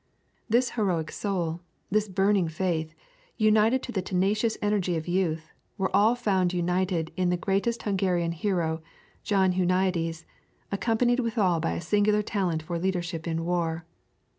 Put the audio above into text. This heroic soul, this burning faith, united to the tenacious energy of youth, were all found united in the greatest Hungarian hero, John Huniades, accompanied withal by a singular talent for leadership in war.